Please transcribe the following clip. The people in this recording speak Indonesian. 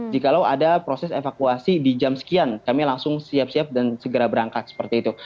jikalau ada proses evakuasi di jam sekian kami langsung siap siap dan segera berangkat seperti itu